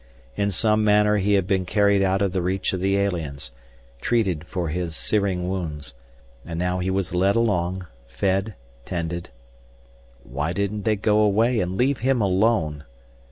In some manner he had been carried out of the reach of the aliens, treated for his searing wounds, and now he was led along, fed, tended Why didn't they go away and leave him alone!